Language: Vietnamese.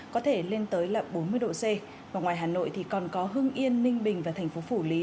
có thể lên tới là bốn mươi độ c và ngoài hà nội thì còn có hương yên ninh bình và thành phố phủ lý